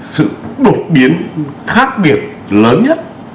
sự đột biến khác biệt lớn nhất